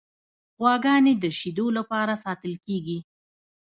غواګانې د شیدو لپاره ساتل کیږي.